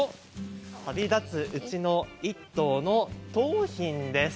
旅立つうちの１頭の桃浜です。